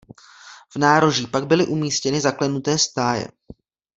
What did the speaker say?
V nároží pak byly umístěny zaklenuté stáje.